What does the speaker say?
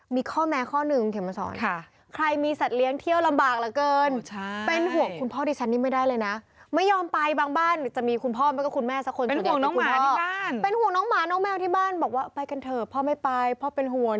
มีข้อแมข้อหนึ่งเขียนมาสอน